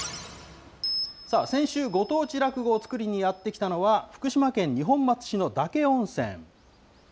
先週、ご当地落語をつくりにやって来たのは、福島県二本松市の岳温泉。